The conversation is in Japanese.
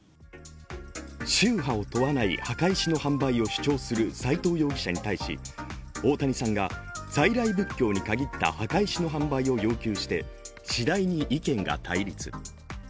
宗派を問わない墓石の販売を主張する斉藤容疑者に対し、大谷さんが、在来仏教に限った墓石の販売を要求して次第に意見が対立。